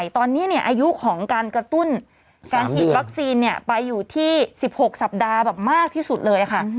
ตอนนี้อายุของการกระตุ้นการฉีดวัคซีนไปอยู่ที่๑๖สัปดาห์แบบมากที่สุดเลยค่ะ